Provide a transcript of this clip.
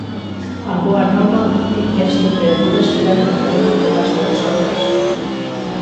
A boa nova é que as temperaturas se irán recuperando co paso das horas.